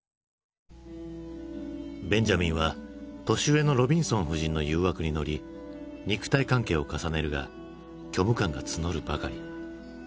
ベンジャミンは年上のロビンソン夫人の誘惑に乗り肉体関係を重ねるが虚無感が募るばかり。